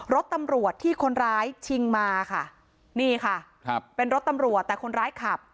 รถตำรวจที่คนร้ายชิงมาค่ะนี่ค่ะครับเป็นรถตำรวจแต่คนร้ายขับ